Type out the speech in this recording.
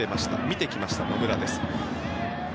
見てきました、野村です。